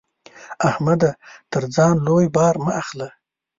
احمده! تر ځان لوی بار مه اخله.